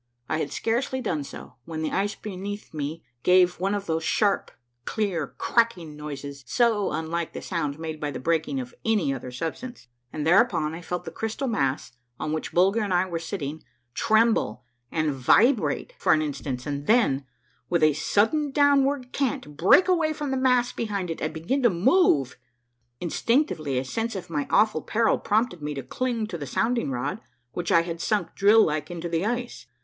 I had scarcely done so when the ice beneath me gawe one of those sharp, clear, cracking noises so unlike the sound made by the breaking of any other substance ; and thereupon I felt the crystal mass on which Bulger and I were sitting tremble and vibrate for an instant, and then, with a sudden downward cant, break away from the mass behind it and begin to move ! Instinctively a sense of my awful peril prompted me to cling to the sounding rod which I had sunk drill like into the ice.